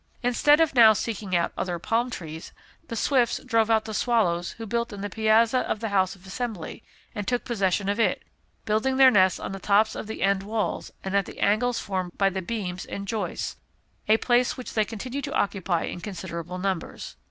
Instead of now seeking out other palm trees, the swifts drove out the swallows who built in the Piazza of the House of Assembly, and took possession of it, building their nests on the tops of the end walls and at the angles formed by the beams and joists, a place which they continue to occupy in considerable numbers.